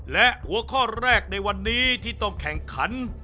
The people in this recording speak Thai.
และหัวข้อแรกในวันนี้ที่ต้องแข่งขัน